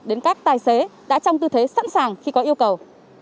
đến các tài xế đã trong tư thế sẵn sàng khi có yêu cầu